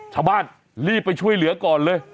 ชาวบ้านรีบไปช่วยเหลือก่อนเลย